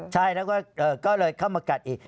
ใช่แล้วก็ก็เลยเข้ามากัดอีก